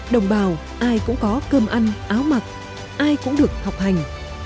họ bảo ai cũng có cơm ăn áo mặc ai cũng được học hành